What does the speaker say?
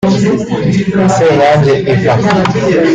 Senyange Ivan